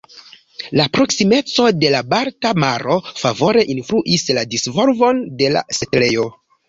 La proksimeco de la Balta Maro favore influis la disvolvon de la setlejo.